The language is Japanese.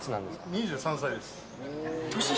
２３歳です。